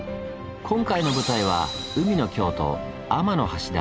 今回の舞台は海の京都「天橋立」。